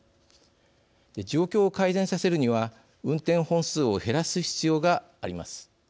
状況を改善させるには運転本数を減らす必要があります。